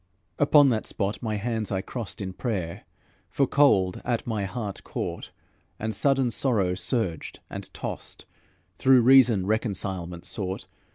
Upon that spot my hands I crossed In prayer, for cold at my heart caught, And sudden sorrow surged and tossed, Though reason reconcilement sought.